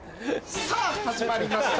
さぁ始まりました